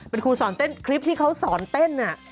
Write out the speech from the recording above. เป็นครูสอนเต้นคลิปที่เขาสอนเต้น